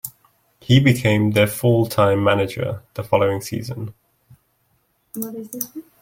He became their full-time manager the following season.